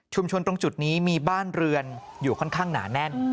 ตรงจุดนี้มีบ้านเรือนอยู่ค่อนข้างหนาแน่น